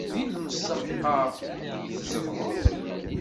Deg lemsaq-a i tzedɣeḍ?